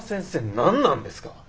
何なんですか？